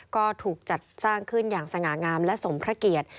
ก็ถูกจัดสร้างขึ้นอย่างสง่างามและสมพระเกียรติ